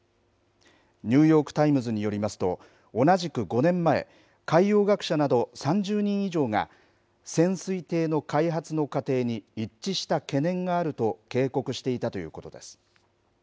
ニューヨーク・タイムズによりますと、同じく５年前、海洋学者など３０人以上が、潜水艇の開発の過程に一致した懸念があると警告していたということです。